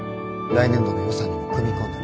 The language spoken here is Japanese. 来年度の予算にも組み込んで。